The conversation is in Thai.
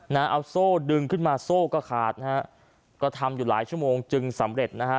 เอาโซ่ดึงขึ้นมาโซ่ก็ขาดนะฮะก็ทำอยู่หลายชั่วโมงจึงสำเร็จนะฮะ